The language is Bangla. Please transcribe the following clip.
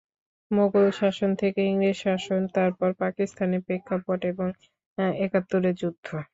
মোগল শাসন থেকে ইংরেজ শাসন, তারপর পাকিস্তানের প্রেক্ষাপট এবং একাত্তরের যুদ্ধ।